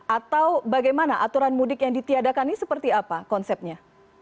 atau bagaimana aturan mudik yang ditiadakan ini seperti apa konsepnya